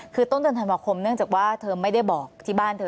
คือต้นเดือนธันวาคมเนื่องจากว่าเธอไม่ได้บอกที่บ้านเธอ